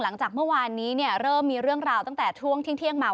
หลังจากเมื่อวานนี้เริ่มมีเรื่องราวตั้งแต่ช่วงเที่ยงมา